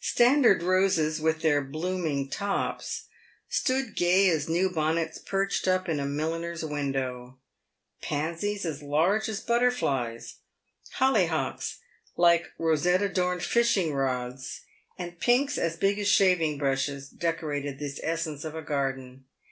Standard roses, with their blooming tops, stood gay as new bonnets perched up in a mil liner's window ; pansies as large as butterflies, hollyhocks like rosette adorned fishing rods, and pinks big as shaving brushes, decorated this essence of a garden.